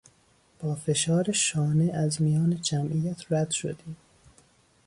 با فشار شانه از میان جمعیت رد شدیم.